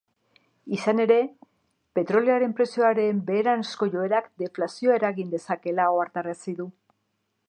Izan ere, petrolioaren prezioaren beheranzko joerak deflazioa eragin dezakeela ohartarazi du.